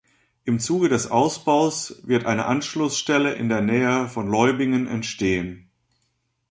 Im Zuge des Ausbaus wird eine Anschlussstelle in der Nähe von Leubingen entstehen.